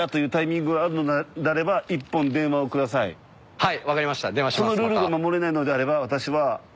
はい。